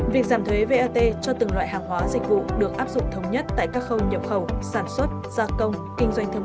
việc giảm thuế vat cho từng loại hàng hóa dịch vụ được áp dụng thống nhất